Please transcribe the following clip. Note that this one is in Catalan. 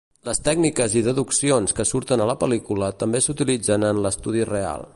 Les tècniques i deduccions que surten a la pel·lícula també s'utilitzen en l'estudi real.